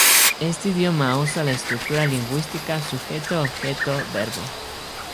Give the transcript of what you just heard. Este idioma usa la estructura lingüística sujeto-objeto-verbo.